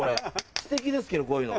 ステキですけどこういうの。